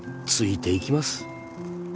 ついていきます